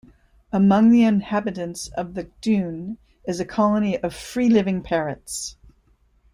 Among the inhabitants of the dune is a colony of free-living parrots.